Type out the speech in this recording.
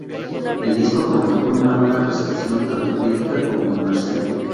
El disco contó con una buena recepción tanto crítica como comercial.